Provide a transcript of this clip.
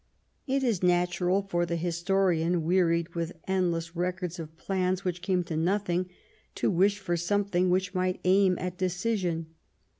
It is natural for the historian, wearied with the end less records of plans which came to nothing, to wish for something which might aim at decision.